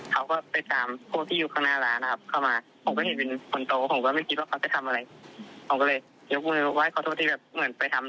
ผมว่าอุ๊คอ่านเหมือนเขาเป็นเจ้าทินเท่านั้นด้วยหรือเปล่า